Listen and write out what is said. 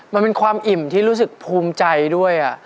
มันเป็นความอิ่มที่รู้สึกภูมิใจด้วย